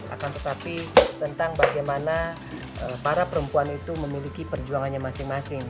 akan tetapi tentang bagaimana para perempuan itu memiliki perjuangannya masing masing